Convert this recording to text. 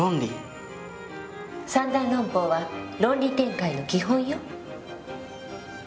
三段論法は論理展開の基本よ。